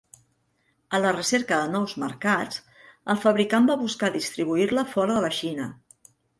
A la recerca de nous mercats, el fabricant va buscar distribuir-la fora de la Xina.